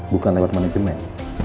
bukan lewat manajemen